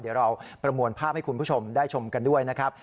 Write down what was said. เดี๋ยวเราประมวลภาพให้คุณผู้ชมได้ชมกันด้วยนะครับ